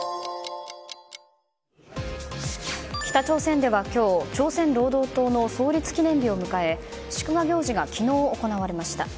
北朝鮮では今日朝鮮労働党の創立記念日を迎え祝賀行事が昨日、行われました。